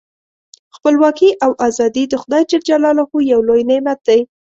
خپلواکي او ازادي د خدای ج یو لوی نعمت دی.